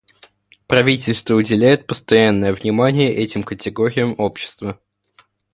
Правительство уделяет постоянное внимание этим категориям общества.